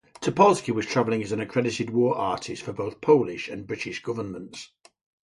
Topolski was travelling as an accredited War Artist for both Polish and British governments.